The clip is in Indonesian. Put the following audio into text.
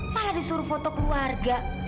malah disuruh foto keluarga